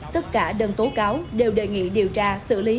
tất cả đơn tố cáo đều đề nghị điều tra xử lý